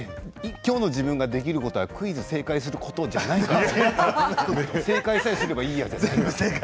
今日の自分ができることはクイズを正解することじゃないから正解さえすればいいんじゃない。